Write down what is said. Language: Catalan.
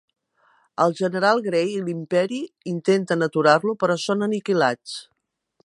El general Gray i l'imperi intenten aturar-lo, però són aniquilats.